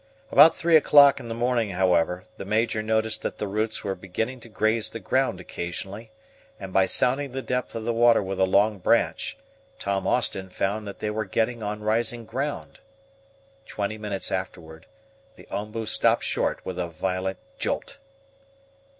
About three o'clock in the morning, however, the Major noticed that the roots were beginning to graze the ground occasionally, and by sounding the depth of the water with a long branch, Tom Austin found that they were getting on rising ground. Twenty minutes afterward, the OMBU stopped short with a violent jolt.